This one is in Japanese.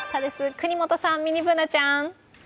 國本さん、ミニＢｏｏｎａちゃん。